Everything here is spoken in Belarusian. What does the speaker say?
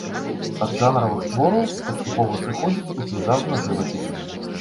Ад жанравых твораў паступова сыходзіць у пейзажны жывапіс.